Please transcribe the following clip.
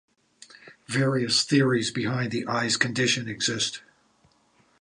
Various theories behind the eye's condition exist.